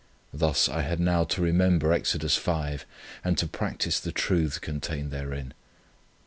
Thus I had now to remember Exodus v, and to practice the truths contained therein.